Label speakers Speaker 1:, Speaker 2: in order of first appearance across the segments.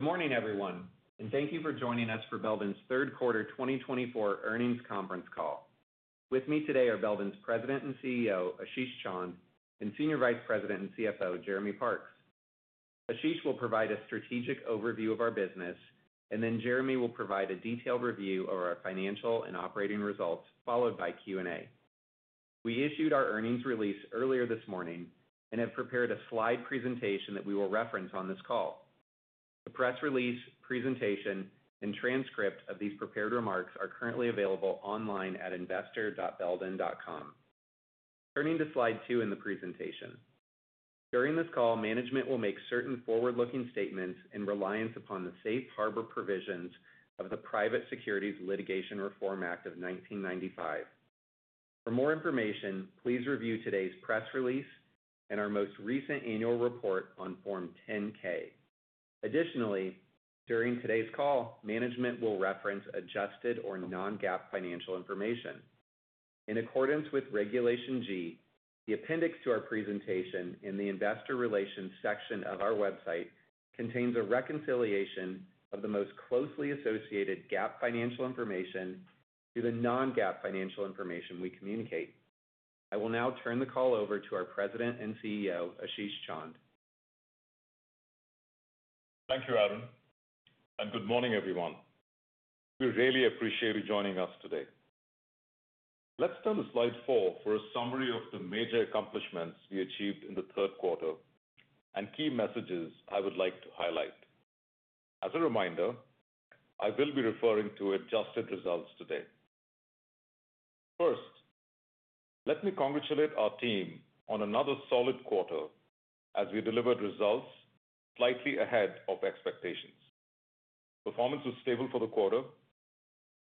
Speaker 1: Good morning, everyone, and thank you for joining us for Belden's Q3 2024 earnings Conference Call. With me today are Belden's President and CEO, Ashish Chand, and Senior Vice President and CFO, Jeremy Parks. Ashish will provide a strategic overview of our business, and then Jeremy will provide a detailed review of our financial and operating results, followed by Q&A. We issued our earnings release earlier this morning and have prepared a slide presentation that we will reference on this call. The press release, presentation, and transcript of these prepared remarks are currently available online at investor.belden.com. Turning to slide two in the presentation. During this call, management will make certain forward-looking statements in reliance upon the safe harbor provisions of the Private Securities Litigation Reform Act of 1995. For more information, please review today's press release and our most recent annual report on Form 10-K. Additionally, during today's call, management will reference adjusted or non-GAAP financial information. In accordance with Regulation G, the appendix to our presentation in the investor relations section of our website contains a reconciliation of the most closely associated GAAP financial information to the non-GAAP financial information we communicate. I will now turn the call over to our President and CEO, Ashish Chand.
Speaker 2: Thank you, Adam, and good morning, everyone. We really appreciate you joining us today. Let's turn to slide four for a summary of the major accomplishments we achieved in the Q3 and key messages I would like to highlight. As a reminder, I will be referring to adjusted results today. First, let me congratulate our team on another solid quarter as we delivered results slightly ahead of expectations. Performance was stable for the quarter,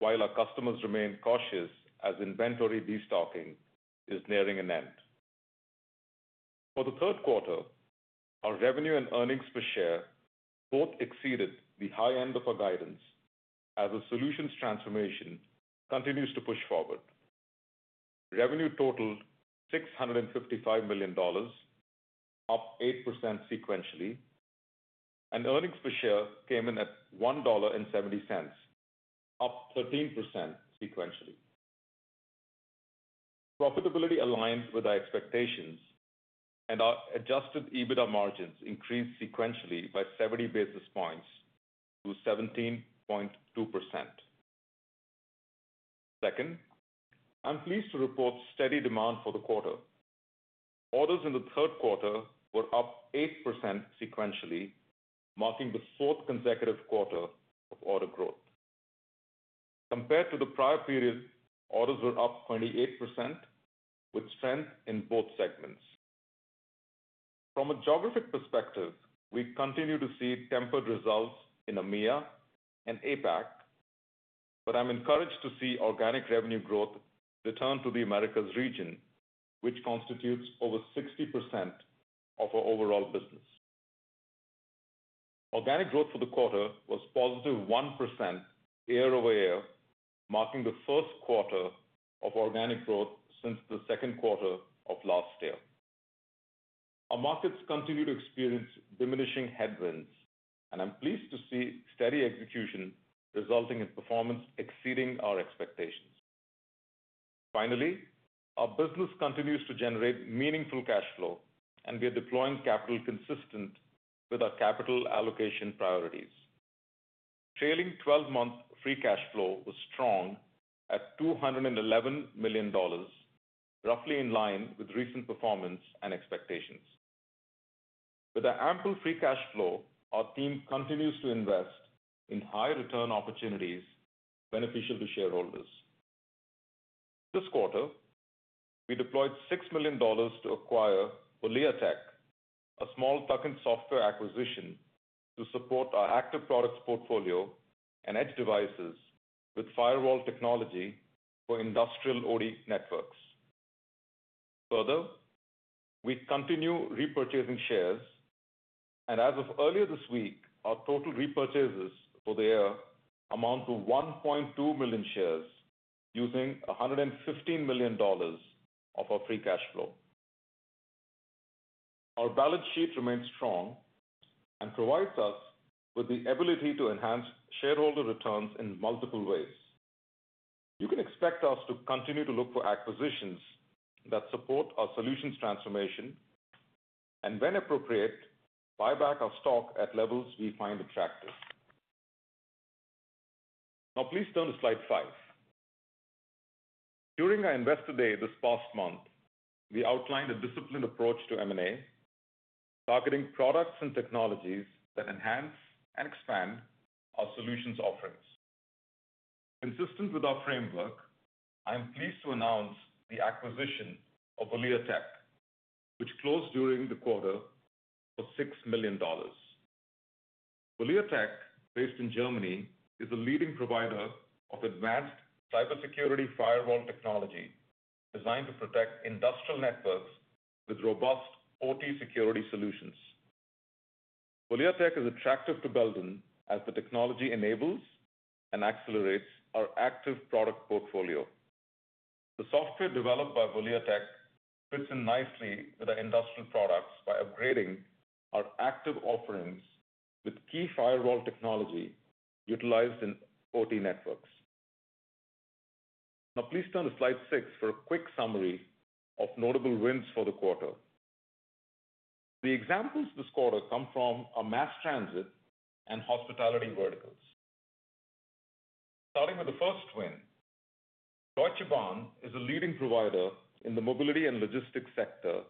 Speaker 2: while our customers remained cautious as inventory destocking is nearing an end. For the Q3, our revenue and earnings per share both exceeded the high end of our guidance as the solutions transformation continues to push forward. Revenue totaled $655 million, up 8% sequentially, and earnings per share came in at $1.70, up 13% sequentially. Profitability aligned with our expectations, and our adjusted EBITDA margins increased sequentially by 70 basis points to 17.2%. Second, I'm pleased to report steady demand for the quarter. Orders in the Q3 were up 8% sequentially, marking the fourth consecutive quarter of order growth. Compared to the prior period, orders were up 28%, with strength in both segments. From a geographic perspective, we continue to see tempered results in EMEA and APAC, but I'm encouraged to see organic revenue growth return to the Americas region, which constitutes over 60% of our overall business. Organic growth for the quarter was positive 1% year over year, marking the Q1 of organic growth since the Q2 of last year. Our markets continue to experience diminishing headwinds, and I'm pleased to see steady execution resulting in performance exceeding our expectations. Finally, our business continues to generate meaningful cash flow, and we are deploying capital consistent with our capital allocation priorities. Trailing 12-month free cash flow was strong at $211 million, roughly in line with recent performance and expectations. With our ample free cash flow, our team continues to invest in high return opportunities beneficial to shareholders. This quarter, we deployed $6 million to acquire Voleatech, a small plug-in software acquisition to support our active products portfolio and edge devices with firewall technology for industrial OT networks. Further, we continue repurchasing shares, and as of earlier this week, our total repurchases for the year amount to 1.2 million shares using $115 million of our free cash flow. Our balance sheet remains strong and provides us with the ability to enhance shareholder returns in multiple ways. You can expect us to continue to look for acquisitions that support our solutions transformation and, when appropriate, buy back our stock at levels we find attractive. Now, please turn to slide five. During our Investor Day this past month, we outlined a disciplined approach to M&A, targeting products and technologies that enhance and expand our solutions offerings. Consistent with our framework, I'm pleased to announce the acquisition of Voleatech, which closed during the quarter for $6 million. Voleatech, based in Germany, is a leading provider of advanced cybersecurity firewall technology designed to protect industrial networks with robust OT security solutions. Voleatech is attractive to Belden as the technology enables and accelerates our active product portfolio. The software developed by Voleatech fits in nicely with our industrial products by upgrading our active offerings with key firewall technology utilized in OT networks. Now, please turn to slide six for a quick summary of notable wins for the quarter. The examples this quarter come from our mass transit and hospitality verticals. Starting with the first win, Deutsche Bahn is a leading provider in the mobility and logistics sector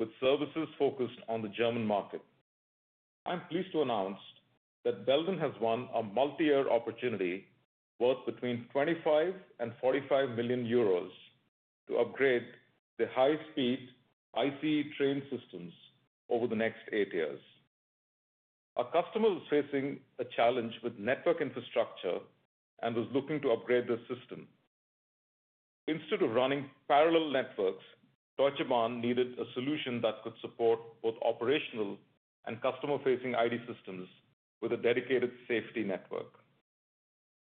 Speaker 2: with services focused on the German market. I'm pleased to announce that Belden has won a multi-year opportunity worth between 25 million and 45 million euros to upgrade the high-speed ICE train systems over the next eight years. Our customer was facing a challenge with network infrastructure and was looking to upgrade the system. Instead of running parallel networks, Deutsche Bahn needed a solution that could support both operational and customer-facing IT systems with a dedicated safety network.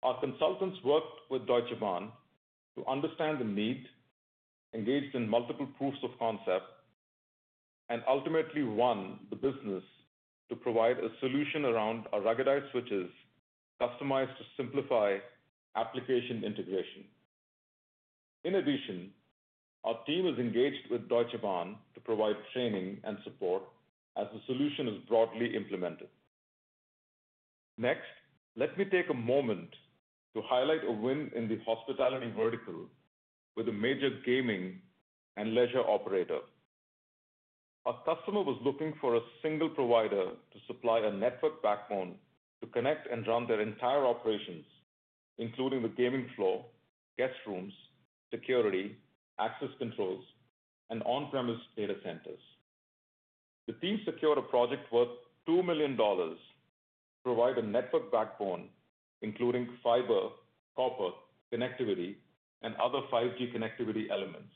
Speaker 2: Our consultants worked with Deutsche Bahn to understand the need, engaged in multiple proofs of concept, and ultimately won the business to provide a solution around our ruggedized switches customized to simplify application integration. In addition, our team is engaged with Deutsche Bahn to provide training and support as the solution is broadly implemented. Next, let me take a moment to highlight a win in the hospitality vertical with a major gaming and leisure operator. Our customer was looking for a single provider to supply a network backbone to connect and run their entire operations, including the gaming floor, guest rooms, security, access controls, and on-premise data centers. The team secured a project worth $2 million to provide a network backbone, including fiber, copper connectivity, and other 5G connectivity elements.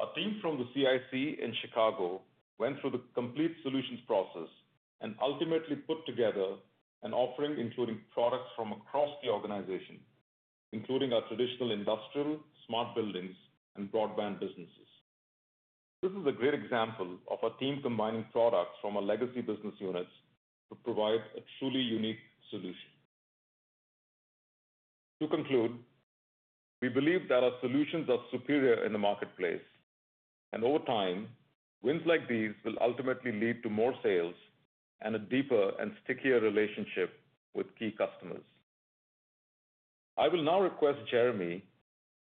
Speaker 2: Our team from the CIC in Chicago went through the complete solutions process and ultimately put together an offering including products from across the organization, including our traditional industrial, smart buildings, and broadband businesses. This is a great example of our team combining products from our legacy business units to provide a truly unique solution. To conclude, we believe that our solutions are superior in the marketplace, and over time, wins like these will ultimately lead to more sales and a deeper and stickier relationship with key customers. I will now request Jeremy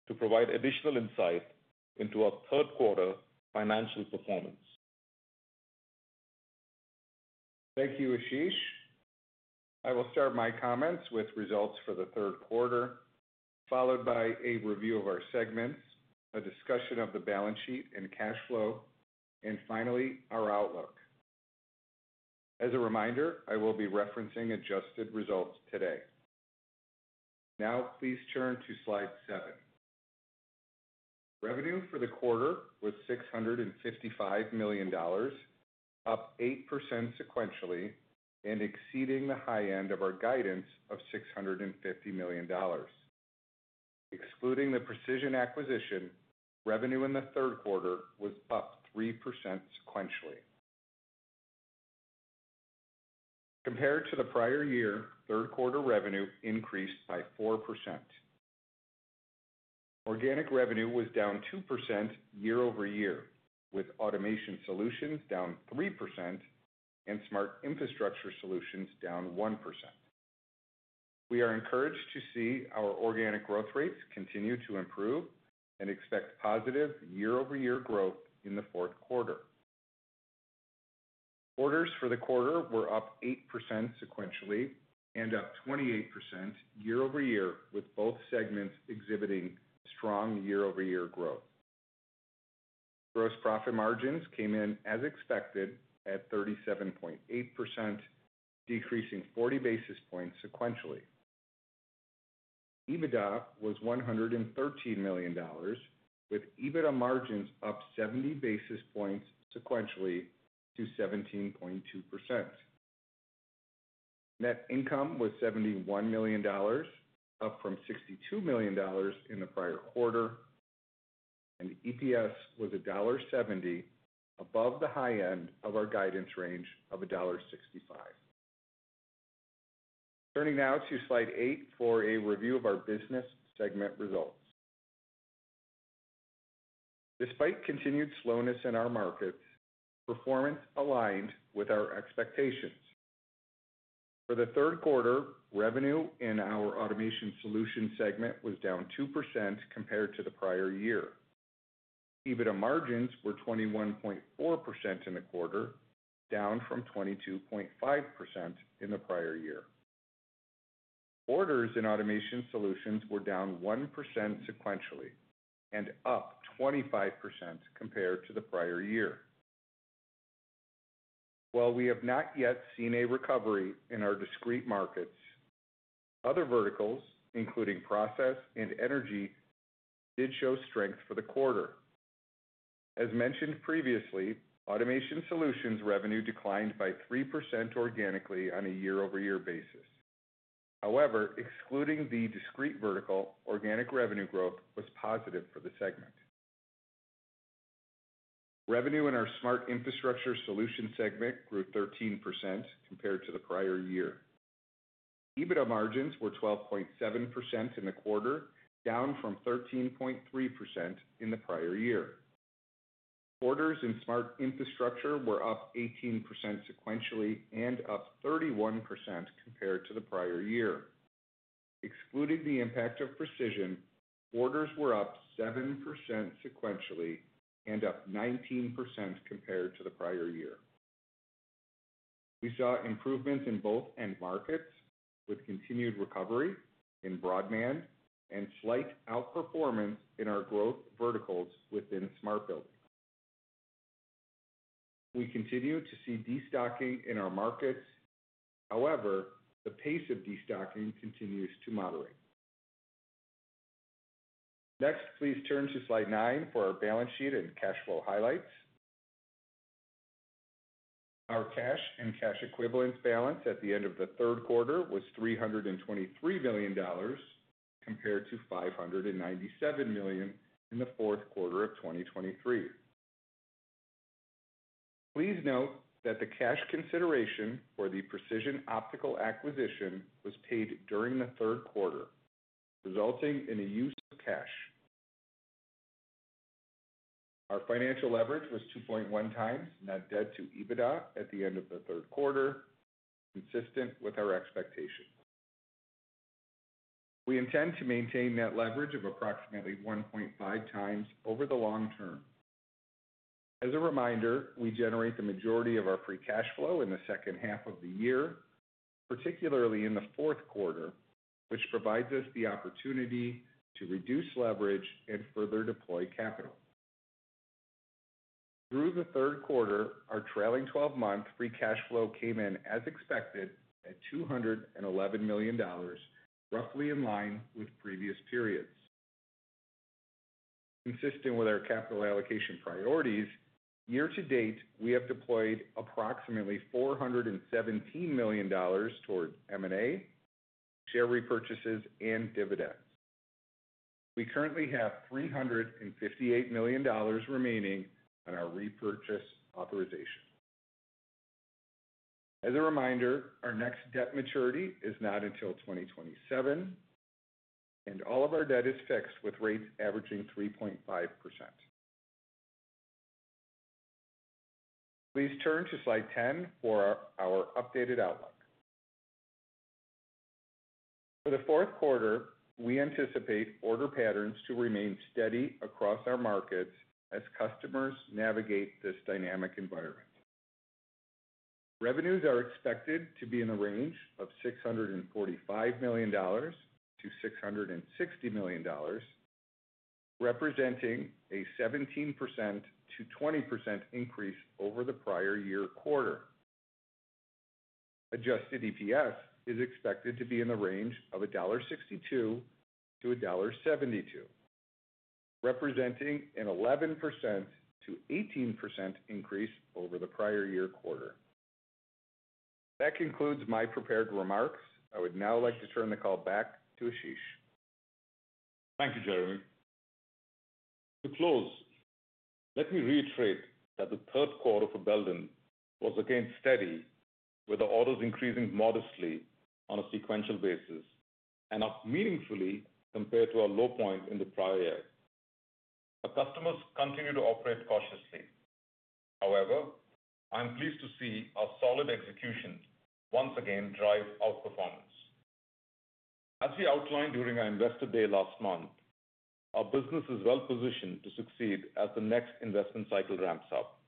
Speaker 2: to provide additional insight into our Q3 financial performance.
Speaker 3: Thank you, Ashish. I will start my comments with results for the Q3, followed by a review of our segments, a discussion of the balance sheet and cash flow, and finally, our outlook. As a reminder, I will be referencing adjusted results today. Now, please turn to slide seven. Revenue for the quarter was $655 million, up 8% sequentially and exceeding the high end of our guidance of $650 million. Excluding the Precision acquisition, revenue in the Q3 was up 3% sequentially. Compared to the prior year, Q3 revenue increased by 4%. Organic revenue was down 2% year over year, with Automation Solutions down 3% and Smart Infrastructure Solutions down 1%. We are encouraged to see our organic growth rates continue to improve and expect positive year-over-year growth in the Q4. Orders for the quarter were up 8% sequentially and up 28% year-over-year, with both segments exhibiting strong year-over-year growth. Gross profit margins came in as expected at 37.8%, decreasing 40 basis points sequentially. EBITDA was $113 million, with EBITDA margins up 70 basis points sequentially to 17.2%. Net income was $71 million, up from $62 million in the prior quarter, and EPS was $1.70, above the high end of our guidance range of $1.65. Turning now to slide eight for a review of our business segment results. Despite continued slowness in our markets, performance aligned with our expectations. For the Q3, revenue in our Automation Solutions segment was down 2% compared to the prior year. EBITDA margins were 21.4% in the quarter, down from 22.5% in the prior year. Orders in Automation Solutions were down 1% sequentially and up 25% compared to the prior year. While we have not yet seen a recovery in our discrete markets, other verticals, including process and energy, did show strength for the quarter. As mentioned previously, Automation Solutions revenue declined by 3% organically on a year-over-year basis. However, excluding the discrete vertical, organic revenue growth was positive for the segment. Revenue in our Smart Infrastructure Solutions segment grew 13% compared to the prior year. EBITDA margins were 12.7% in the quarter, down from 13.3% in the prior year. Orders in smart infrastructure were up 18% sequentially and up 31% compared to the prior year. Excluding the impact of Precision, orders were up 7% sequentially and up 19% compared to the prior year. We saw improvements in both end markets, with continued recovery in broadband and slight outperformance in our growth verticals within smart building. We continue to see destocking in our markets. However, the pace of destocking continues to moderate. Next, please turn to slide nine for our balance sheet and cash flow highlights. Our cash and cash equivalents balance at the end of the Q3 was $323 million compared to $597 million in the Q4 of 2023. Please note that the cash consideration for the Precision Optical acquisition was paid during the Q3, resulting in a use of cash. Our financial leverage was 2.1 times net debt to EBITDA at the end of the Q3, consistent with our expectations. We intend to maintain net leverage of approximately 1.5 times over the long term. As a reminder, we generate the majority of our free cash flow in the second half of the year, particularly in the Q4, which provides us the opportunity to reduce leverage and further deploy capital. Through the Q3, our trailing 12-month free cash flow came in as expected at $211 million, roughly in line with previous periods. Consistent with our capital allocation priorities, year to date, we have deployed approximately $417 million toward M&A, share repurchases, and dividends. We currently have $358 million remaining on our repurchase authorization. As a reminder, our next debt maturity is not until 2027, and all of our debt is fixed with rates averaging 3.5%. Please turn to slide 10 for our updated outlook. For the Q4, we anticipate order patterns to remain steady across our markets as customers navigate this dynamic environment. Revenues are expected to be in the range of $645-$660 million, representing a 17%-20% increase over the prior year quarter. Adjusted EPS is expected to be in the range of $1.62-$1.72, representing an 11%-18% increase over the prior year quarter. That concludes my prepared remarks. I would now like to turn the call back to Ashish.
Speaker 2: Thank you, Jeremy. To close, let me reiterate that the Q3 for Belden was again steady, with the orders increasing modestly on a sequential basis and up meaningfully compared to our low point in the prior year. Our customers continue to operate cautiously. However, I'm pleased to see our solid execution once again drive outperformance. As we outlined during our Investor Day last month, our business is well positioned to succeed as the next investment cycle ramps up.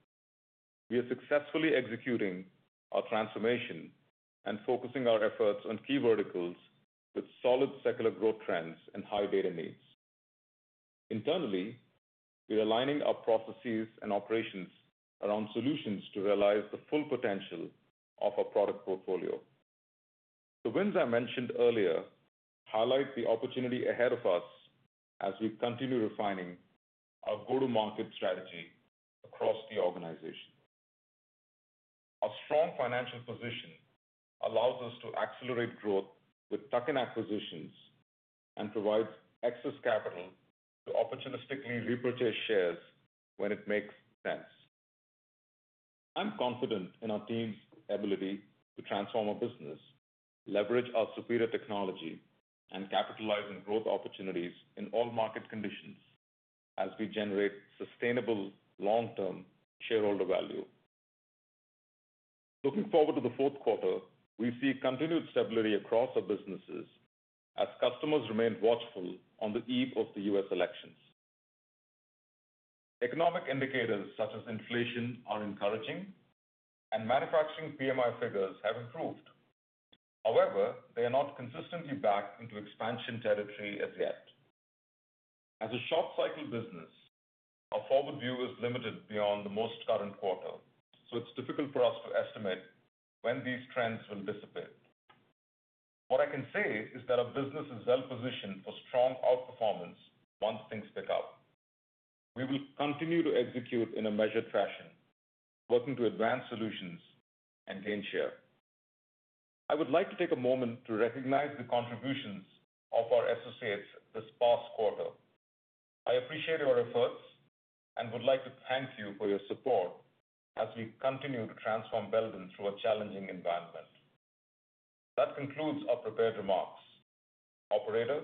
Speaker 2: We are successfully executing our transformation and focusing our efforts on key verticals with solid secular growth trends and high data needs. Internally, we are aligning our processes and operations around solutions to realize the full potential of our product portfolio. The wins I mentioned earlier highlight the opportunity ahead of us as we continue refining our go-to-market strategy across the organization. Our strong financial position allows us to accelerate growth with tuck-in acquisitions and provides excess capital to opportunistically repurchase shares when it makes sense. I'm confident in our team's ability to transform our business, leverage our superior technology, and capitalize on growth opportunities in all market conditions as we generate sustainable long-term shareholder value. Looking forward to the Q4, we see continued stability across our businesses as customers remain watchful on the eve of the U.S. elections. Economic indicators such as inflation are encouraging, and Manufacturing PMI figures have improved. However, they are not consistently back into expansion territory as yet. As a short-cycle business, our forward view is limited beyond the most current quarter, so it's difficult for us to estimate when these trends will dissipate. What I can say is that our business is well positioned for strong outperformance once things pick up. We will continue to execute in a measured fashion, working to advance solutions and gain share. I would like to take a moment to recognize the contributions of our associates this past quarter. I appreciate your efforts and would like to thank you for your support as we continue to transform Belden through a challenging environment. That concludes our prepared remarks. Operator,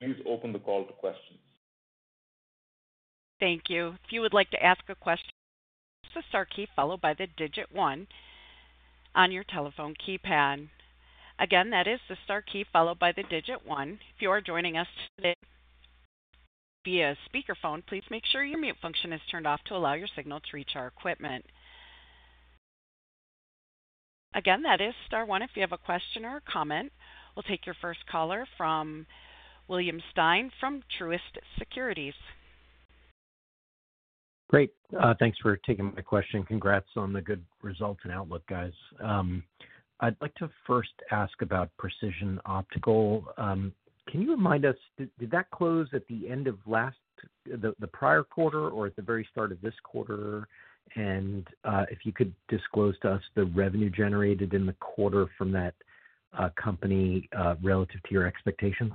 Speaker 2: please open the call to questions.
Speaker 4: Thank you. If you would like to ask a question, press the star key followed by the digit one on your telephone keypad. Again, that is the star key followed by the digit one. If you are joining us today via speakerphone, please make sure your mute function is turned off to allow your signal to reach our equipment. Again, that is star one if you have a question or a comment. We'll take your first caller from William Stein from Truist Securities.
Speaker 5: Great. Thanks for taking my question. Congrats on the good results and outlook, guys. I'd like to first ask about Precision Optical. Can you remind us, did that close at the end of the prior quarter or at the very start of this quarter? And if you could disclose to us the revenue generated in the quarter from that company relative to your expectations.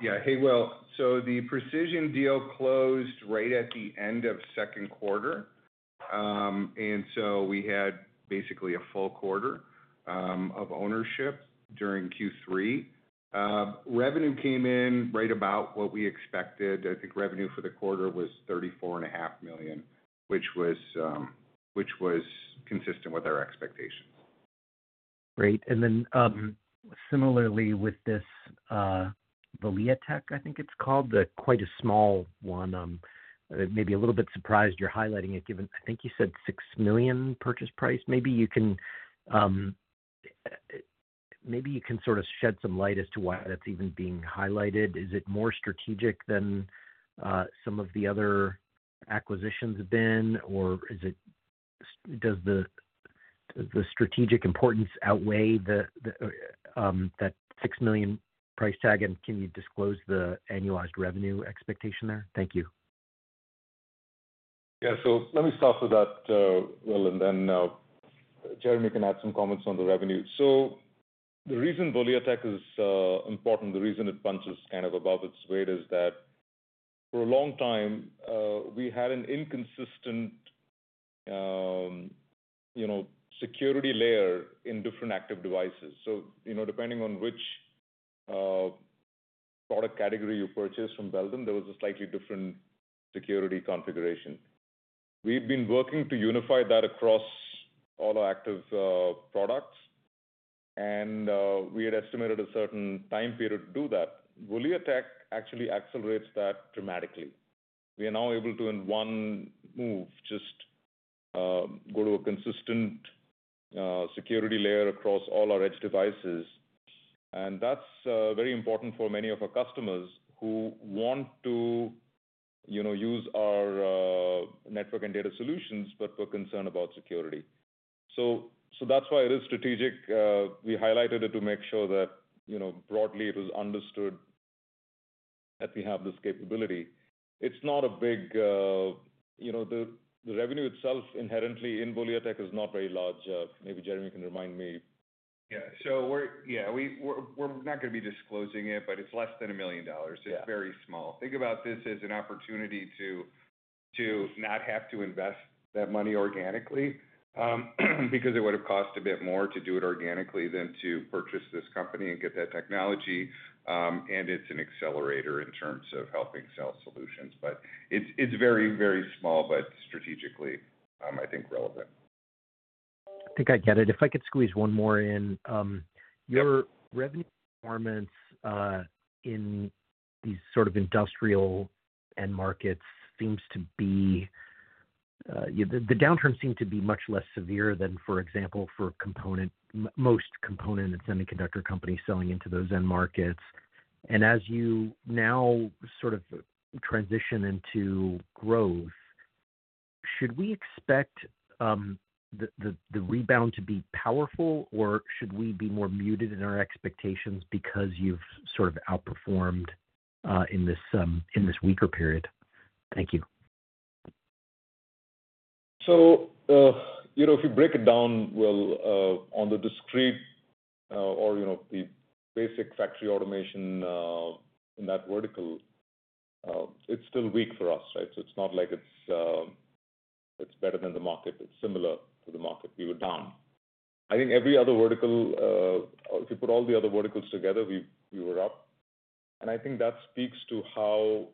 Speaker 3: Yeah. Hey, Will, so the Precision deal closed right at the end of Q2, and so we had basically a full quarter of ownership during Q3. Revenue came in right about what we expected. I think revenue for the quarter was $34.5 million, which was consistent with our expectations.
Speaker 5: Great. And then similarly with this Voleatech, I think it's called, quite a small one. Maybe a little bit surprised you're highlighting it given, I think you said, $6 million purchase price. Maybe you can sort of shed some light as to why that's even being highlighted. Is it more strategic than some of the other acquisitions have been, or does the strategic importance outweigh that $6 million price tag? And can you disclose the annualized revenue expectation there? Thank you.
Speaker 2: Yeah. So let me start with that, Will, and then Jeremy can add some comments on the revenue. So the reason Voleatech is important, the reason it punches kind of above its weight, is that for a long time, we had an inconsistent security layer in different active devices. So depending on which product category you purchase from Belden, there was a slightly different security configuration. We've been working to unify that across all our active products, and we had estimated a certain time period to do that. Voleatech actually accelerates that dramatically. We are now able to, in one move, just go to a consistent security layer across all our edge devices. And that's very important for many of our customers who want to use our network and data solutions, but we're concerned about security. So that's why it is strategic. We highlighted it to make sure that broadly it was understood that we have this capability. It's not a big. The revenue itself inherently in Voleatech is not very large. Maybe Jeremy can remind me.
Speaker 3: Yeah. So yeah, we're not going to be disclosing it, but it's less than $1 million. It's very small. Think about this as an opportunity to not have to invest that money organically because it would have cost a bit more to do it organically than to purchase this company and get that technology. And it's an accelerator in terms of helping sell solutions. But it's very, very small, but strategically, I think, relevant.
Speaker 5: I think I get it. If I could squeeze one more in, your revenue performance in these sort of industrial end markets seems to be. The downturn seemed to be much less severe than, for example, for most component and semiconductor companies selling into those end markets, and as you now sort of transition into growth, should we expect the rebound to be powerful, or should we be more muted in our expectations because you've sort of outperformed in this weaker period? Thank you.
Speaker 2: So if you break it down, Will, on the discrete or the basic factory automation in that vertical, it's still weak for us, right? So it's not like it's better than the market. It's similar to the market. We were down. I think every other vertical, if you put all the other verticals together, we were up. And I think that speaks to how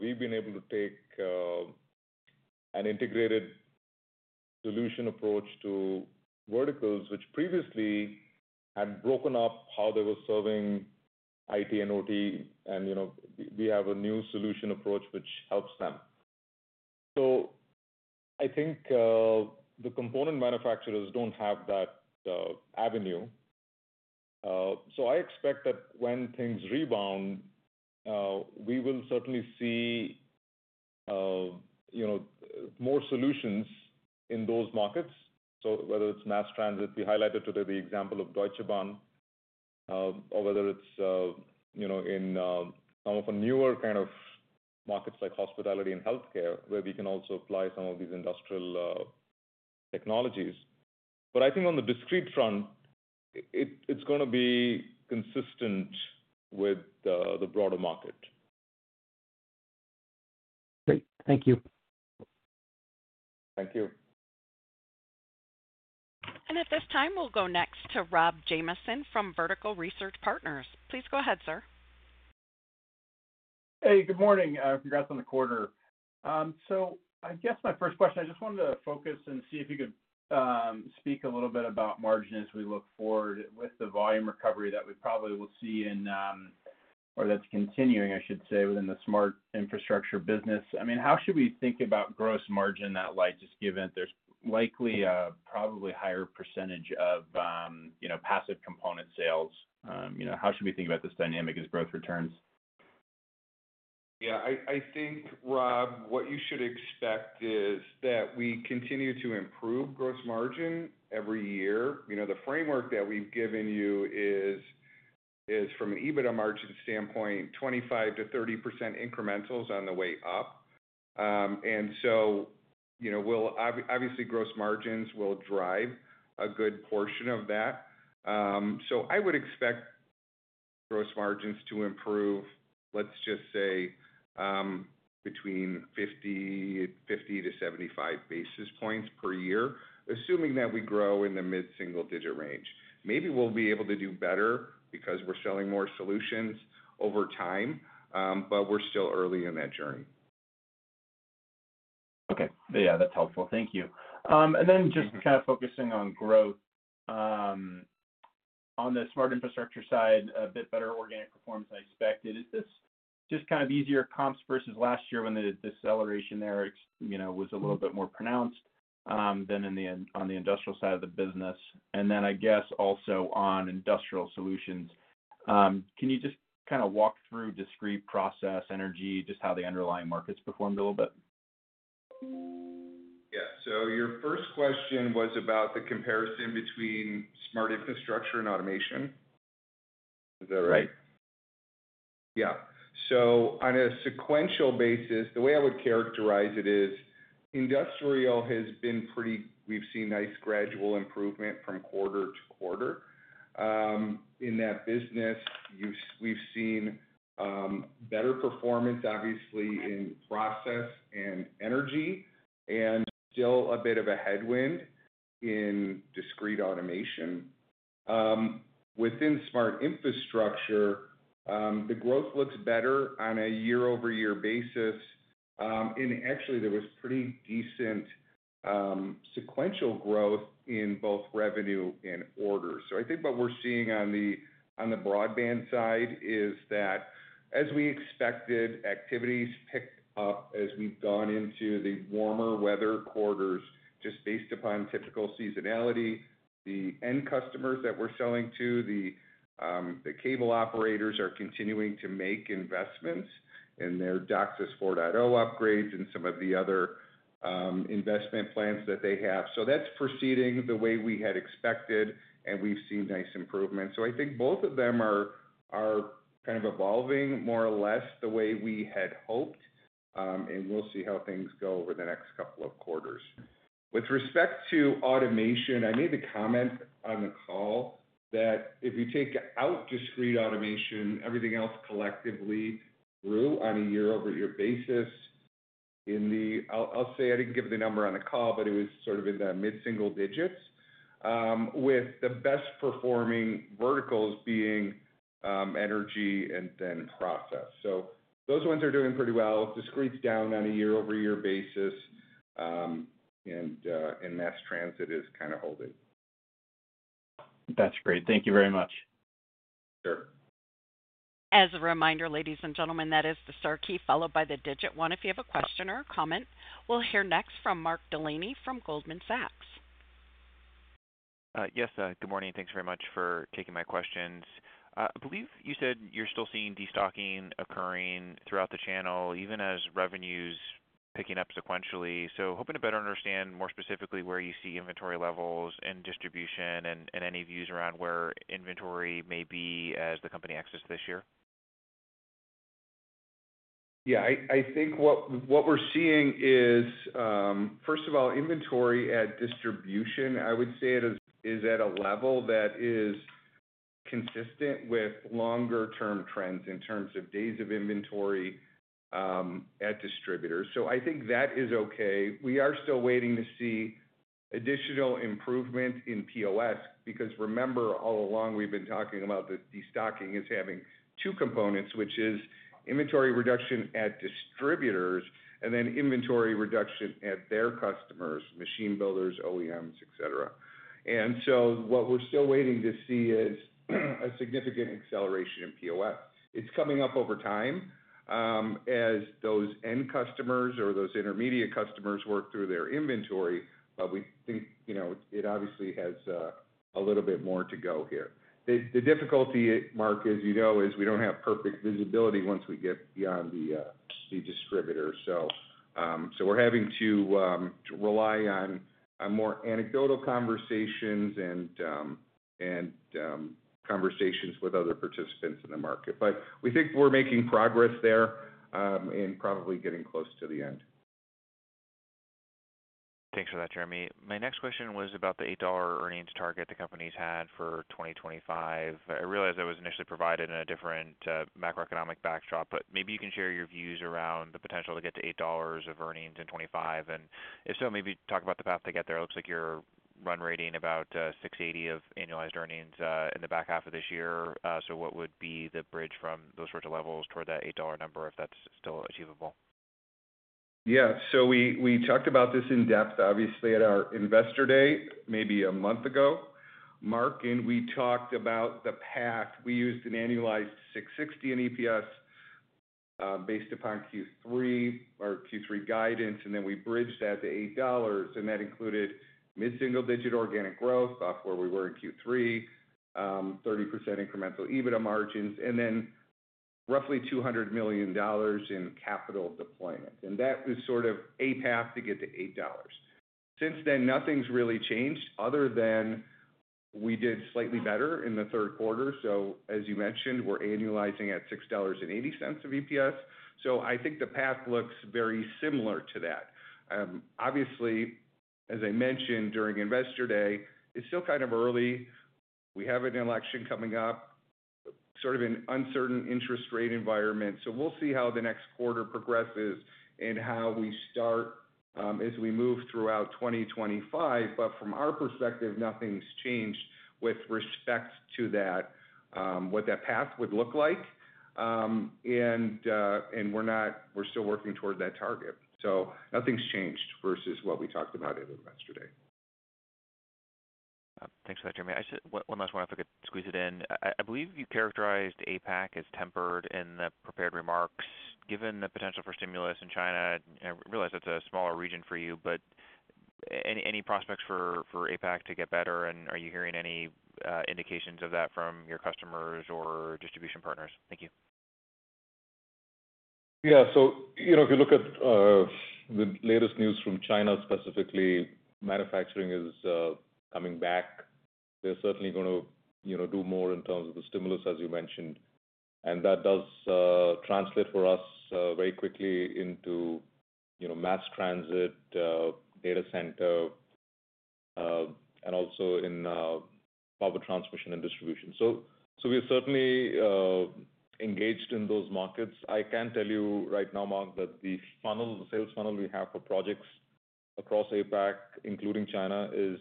Speaker 2: we've been able to take an integrated solution approach to verticals which previously had broken up how they were serving IT and OT, and we have a new solution approach which helps them. So I think the component manufacturers don't have that avenue. So I expect that when things rebound, we will certainly see more solutions in those markets. So whether it's mass transit, we highlighted today the example of Deutsche Bahn, or whether it's in some of the newer kind of markets like hospitality and healthcare, where we can also apply some of these industrial technologies. But I think on the discrete front, it's going to be consistent with the broader market.
Speaker 5: Great. Thank you.
Speaker 2: Thank you.
Speaker 4: At this time, we'll go next to Robert Jamieson from Vertical Research Partners. Please go ahead, sir.
Speaker 6: Hey, good morning. Congrats on the quarter. So I guess my first question, I just wanted to focus and see if you could speak a little bit about margin as we look forward with the volume recovery that we probably will see in, or that's continuing, I should say, within the smart infrastructure business. I mean, how should we think about gross margin in that light, just given there's likely a probably higher percentage of passive component sales? How should we think about this dynamic as growth returns?
Speaker 3: Yeah. I think, Rob, what you should expect is that we continue to improve gross margin every year. The framework that we've given you is, from an EBITDA margin standpoint, 25%-30% incrementals on the way up. And so, obviously, gross margins will drive a good portion of that. So I would expect gross margins to improve, let's just say, between 50-75 basis points per year, assuming that we grow in the mid-single-digit range. Maybe we'll be able to do better because we're selling more solutions over time, but we're still early in that journey.
Speaker 6: Okay. Yeah, that's helpful. Thank you. And then just kind of focusing on growth. On the smart infrastructure side, a bit better organic performance than expected. Is this just kind of easier comps versus last year when the deceleration there was a little bit more pronounced than on the industrial side of the business? And then I guess also on industrial solutions, can you just kind of walk through discrete process, energy, just how the underlying markets performed a little bit?
Speaker 3: Yeah. So your first question was about the comparison between smart infrastructure and automation. Is that right?
Speaker 6: Right.
Speaker 3: Yeah. So on a sequential basis, the way I would characterize it is industrial has been pretty. We've seen nice gradual improvement from quarter to quarter. In that business, we've seen better performance, obviously, in process and energy, and still a bit of a headwind in discrete automation. Within smart infrastructure, the growth looks better on a year-over-year basis. Actually, there was pretty decent sequential growth in both revenue and orders. So I think what we're seeing on the broadband side is that, as we expected, activities picked up as we've gone into the warmer weather quarters, just based upon typical seasonality. The end customers that we're selling to, the cable operators, are continuing to make investments in their DOCSIS 4.0 upgrades and some of the other investment plans that they have. So that's proceeding the way we had expected, and we've seen nice improvements. So I think both of them are kind of evolving more or less the way we had hoped, and we'll see how things go over the next couple of quarters. With respect to automation, I made the comment on the call that if you take out discrete automation, everything else collectively grew on a year-over-year basis in the, I'll say I didn't give the number on the call, but it was sort of in the mid-single digits, with the best-performing verticals being energy and then process. So those ones are doing pretty well. Discrete's down on a year-over-year basis, and mass transit is kind of holding.
Speaker 6: That's great. Thank you very much.
Speaker 3: Sure.
Speaker 4: As a reminder, ladies and gentlemen, that is the star key followed by the digit one if you have a question or a comment. We'll hear next from Mark Delaney from Goldman Sachs.
Speaker 7: Yes. Good morning. Thanks very much for taking my questions. I believe you said you're still seeing destocking occurring throughout the channel, even as revenues picking up sequentially. So hoping to better understand more specifically where you see inventory levels and distribution and any views around where inventory may be as the company exits this year?
Speaker 3: Yeah. I think what we're seeing is, first of all, inventory at distribution, I would say, is at a level that is consistent with longer-term trends in terms of days of inventory at distributors. So I think that is okay. We are still waiting to see additional improvement in POS because, remember, all along we've been talking about this destocking as having two components, which is inventory reduction at distributors and then inventory reduction at their customers, machine builders, OEMs, etc. And so what we're still waiting to see is a significant acceleration in POS. It's coming up over time as those end customers or those intermediate customers work through their inventory, but we think it obviously has a little bit more to go here. The difficulty, Mark, as you know, is we don't have perfect visibility once we get beyond the distributor. So we're having to rely on more anecdotal conversations and conversations with other participants in the market. But we think we're making progress there and probably getting close to the end.
Speaker 7: Thanks for that, Jeremy. My next question was about the $8 earnings target the company's had for 2025. I realize it was initially provided in a different macroeconomic backdrop, but maybe you can share your views around the potential to get to $8 of earnings in 2025, and if so, maybe talk about the path to get there. It looks like you're run rating about 6.80 of annualized earnings in the back half of this year. So what would be the bridge from those sorts of levels toward that $8 number if that's still achievable?
Speaker 3: Yeah. So we talked about this in depth, obviously, at our investor day maybe a month ago, Mark, and we talked about the path. We used an annualized $6.60 in EPS based upon Q3 or Q3 guidance, and then we bridged that to $8. That included mid-single-digit organic growth off where we were in Q3, 30% incremental EBITDA margins, and then roughly $200 million in capital deployment. That was sort of a path to get to $8. Since then, nothing's really changed other than we did slightly better in the Q3. As you mentioned, we're annualizing at $6.80 of EPS. I think the path looks very similar to that. Obviously, as I mentioned during investor day, it's still kind of early. We have an election coming up, sort of an uncertain interest rate environment. So we'll see how the next quarter progresses and how we start as we move throughout 2025. But from our perspective, nothing's changed with respect to what that path would look like. And we're still working toward that target. So nothing's changed versus what we talked about in investor day.
Speaker 7: Thanks for that, Jeremy. One last one, if I could squeeze it in. I believe you characterized APAC as tempered in the prepared remarks. Given the potential for stimulus in China, I realize that's a smaller region for you, but any prospects for APAC to get better? And are you hearing any indications of that from your customers or distribution partners? Thank you.
Speaker 1: Yeah. So if you look at the latest news from China specifically, manufacturing is coming back. They're certainly going to do more in terms of the stimulus, as you mentioned. And that does translate for us very quickly into mass transit, data center, and also in power transmission and distribution. So we're certainly engaged in those markets. I can tell you right now, Mark, that the sales funnel we have for projects across APAC, including China, is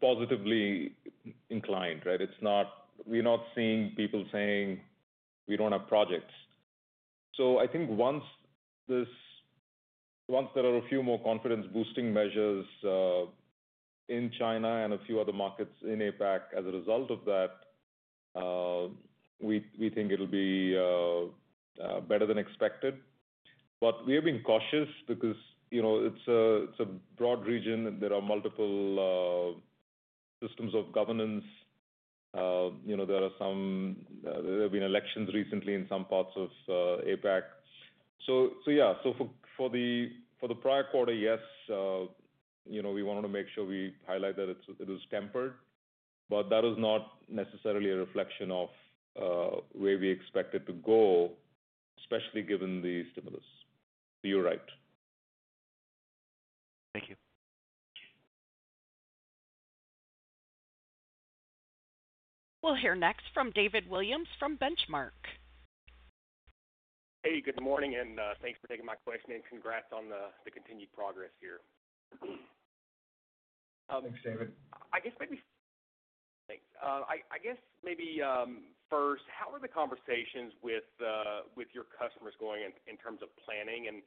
Speaker 1: positively inclined, right? We're not seeing people saying, "We don't have projects." So I think once there are a few more confidence-boosting measures in China and a few other markets in APAC as a result of that, we think it'll be better than expected. But we have been cautious because it's a broad region. There are multiple systems of governance. There have been elections recently in some parts of APAC. So yeah. So for the prior quarter, yes, we wanted to make sure we highlight that it was tempered, but that was not necessarily a reflection of where we expected to go, especially given the stimulus. So you're right.
Speaker 7: Thank you.
Speaker 4: We'll hear next from David Williams from Benchmark.
Speaker 8: Hey, good morning, and thanks for taking my question and congrats on the continued progress here.
Speaker 6: Thanks, David.
Speaker 8: I guess maybe thanks. I guess maybe first, how are the conversations with your customers going in terms of planning? And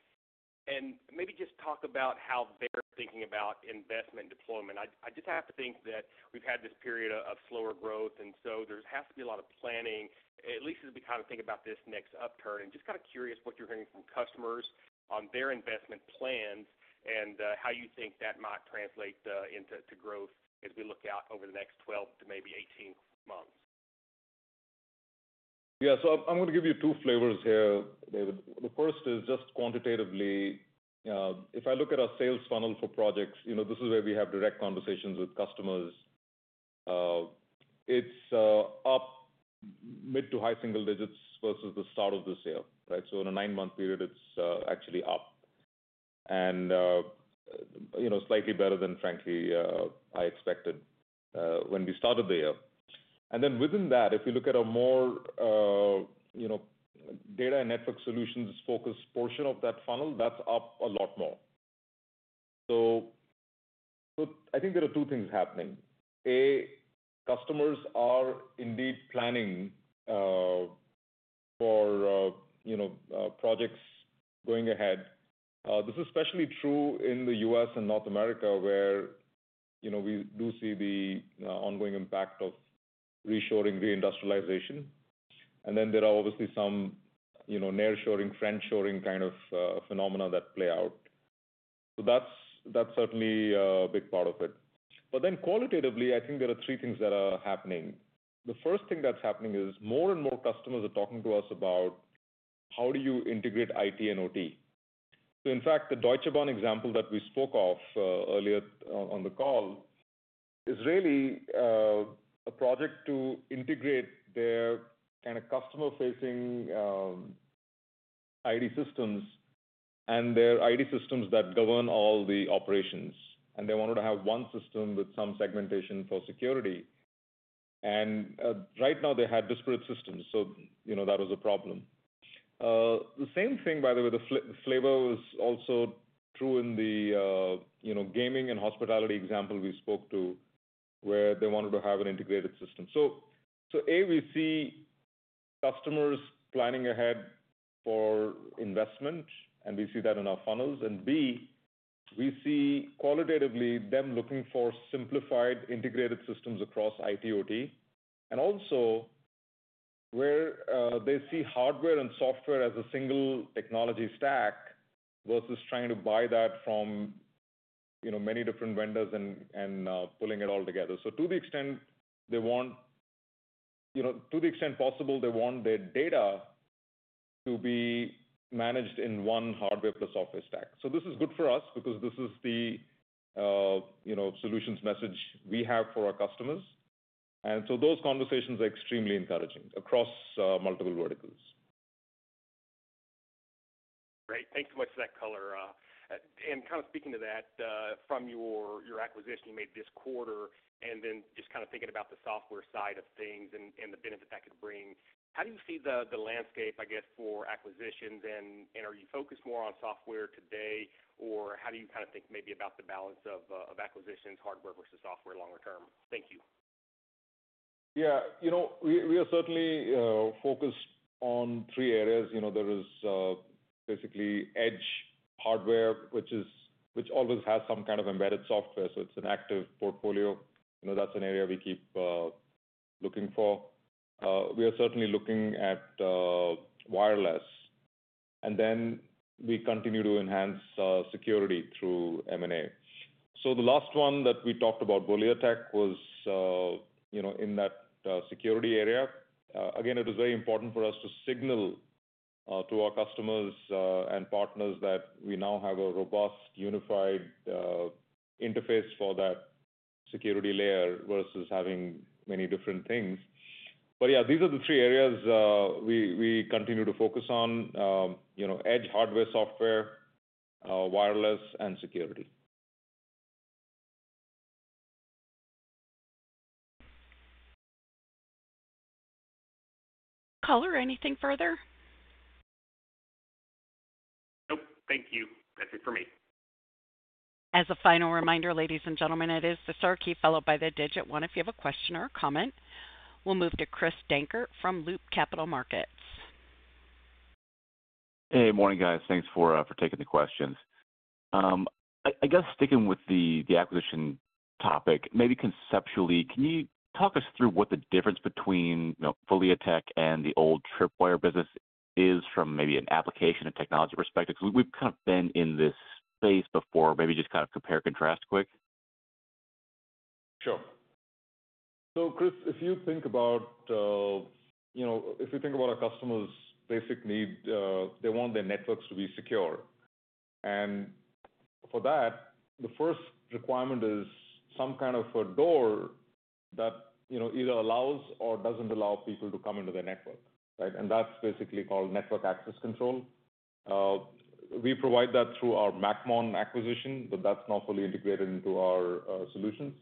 Speaker 8: maybe just talk about how they're thinking about investment deployment. I just have to think that we've had this period of slower growth, and so there has to be a lot of planning, at least as we kind of think about this next upturn. And just kind of curious what you're hearing from customers on their investment plans and how you think that might translate into growth as we look out over the next 12 to maybe 18 months.
Speaker 1: Yeah. So I'm going to give you two flavors here, David. The first is just quantitatively. If I look at our sales funnel for projects, this is where we have direct conversations with customers. It's up mid- to high-single digits versus the start of this year, right? So in a nine-month period, it's actually up and slightly better than, frankly, I expected when we started the year. And then within that, if you look at a more data and network solutions-focused portion of that funnel, that's up a lot more. So I think there are two things happening. A, customers are indeed planning for projects going ahead. This is especially true in the U.S. and North America where we do see the ongoing impact of reshoring, reindustrialization. And then there are obviously some nearshoring, friendshoring kind of phenomena that play out. So that's certainly a big part of it. But then qualitatively, I think there are three things that are happening. The first thing that's happening is more and more customers are talking to us about how do you integrate IT and OT. So in fact, the Deutsche Bahn example that we spoke of earlier on the call is really a project to integrate their kind of customer-facing IT systems and their IT systems that govern all the operations. And they wanted to have one system with some segmentation for security. And right now, they had disparate systems, so that was a problem. The same thing, by the way, the flavor was also true in the gaming and hospitality example we spoke to where they wanted to have an integrated system. So A, we see customers planning ahead for investment, and we see that in our funnels. And B, we see, qualitatively, them looking for simplified integrated systems across IT/OT. And also where they see hardware and software as a single technology stack versus trying to buy that from many different vendors and pulling it all together. So, to the extent possible, they want their data to be managed in one hardware plus OT stack. So this is good for us because this is the solutions message we have for our customers. And so those conversations are extremely encouraging across multiple verticals.
Speaker 8: Great. Thanks so much for that color. And kind of speaking to that, from your acquisition you made this quarter and then just kind of thinking about the software side of things and the benefit that could bring, how do you see the landscape, I guess, for acquisitions? And are you focused more on software today, or how do you kind of think maybe about the balance of acquisitions, hardware versus software longer term? Thank you.
Speaker 1: Yeah. We are certainly focused on three areas. There is basically edge hardware, which always has some kind of embedded software. So it's an active portfolio. That's an area we keep looking for. We are certainly looking at wireless. And then we continue to enhance security through M&A. So the last one that we talked about, Voleatech, was in that security area. Again, it was very important for us to signal to our customers and partners that we now have a robust unified interface for that security layer versus having many different things. But yeah, these are the three areas we continue to focus on: edge, hardware, software, wireless, and security.
Speaker 4: Color, anything further?
Speaker 8: Nope. Thank you. That's it for me.
Speaker 4: As a final reminder, ladies and gentlemen, it is the star key followed by the digit one if you have a question or a comment. We'll move to Chris Danker from Loop Capital Markets.
Speaker 9: Hey, morning, guys. Thanks for taking the questions. I guess sticking with the acquisition topic, maybe conceptually, can you talk us through what the difference between Voleatech and the old Tripwire business is from maybe an application and technology perspective? Because we've kind of been in this space before, maybe just kind of compare and contrast quick.
Speaker 3: Sure. So Chris, if you think about our customers' basic need, they want their networks to be secure. And for that, the first requirement is some kind of a door that either allows or doesn't allow people to come into their network, right? And that's basically called network access control. We provide that through our Macmon acquisition, but that's not fully integrated into our solutions.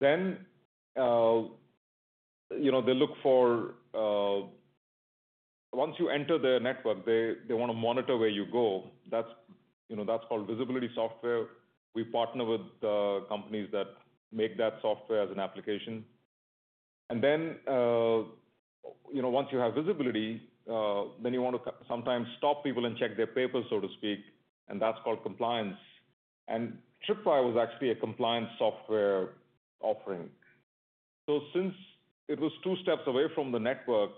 Speaker 3: Then they look for once you enter their network, they want to monitor where you go. That's called visibility software. We partner with companies that make that software as an application. And then once you have visibility, then you want to sometimes stop people and check their papers, so to speak, and that's called compliance. And Tripwire was actually a compliance software offering. So since it was two steps away from the network,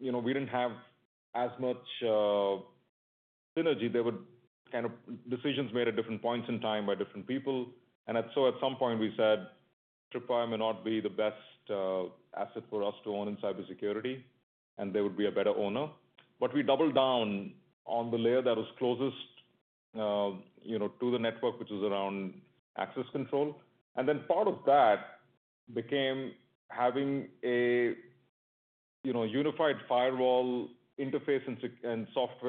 Speaker 3: we didn't have as much synergy. There were kind of decisions made at different points in time by different people, and so at some point, we said Tripwire may not be the best asset for us to own in cybersecurity, and they would be a better owner, but we doubled down on the layer that was closest to the network, which was around access control, and then part of that became having a unified firewall interface and software.